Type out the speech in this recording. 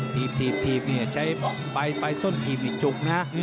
ถีบถีบนี่ไปส้นถีบนี่จุกนะ